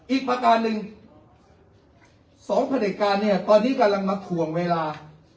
ประการหนึ่งสองประเด็จการเนี่ยตอนนี้กำลังมาถ่วงเวลา